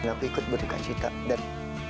aku ikut berduka cita dan